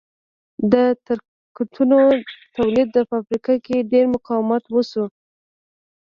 د ترکتورونو د تولید په فابریکه کې ډېر مقاومت وشو